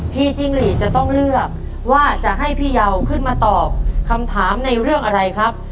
จิ้งหลีดจะต้องเลือกว่าจะให้พี่เยาขึ้นมาตอบคำถามในเรื่องอะไรครับ